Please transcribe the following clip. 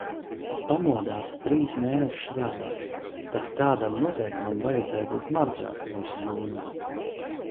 Pamodās trīs mēnešus vēlāk, tak tādam noteikumam vajadzēja būt martā, nevis jūnijā.